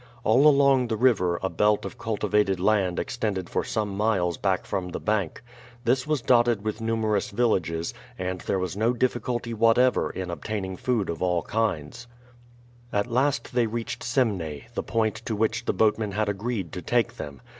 All along the river a belt of cultivated land extended for some miles back from the bank. This was dotted with numerous villages, and there was no difficulty whatever in obtaining food of all kinds. [B] Now Wady Halfa. At last they reached Semneh, the point to which the boatmen had agreed to take them.